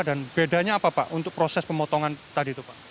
dan bedanya apa pak untuk proses pemotongan tadi itu pak